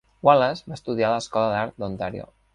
Wallace va estudiar a l'escola d'art d'Ontario.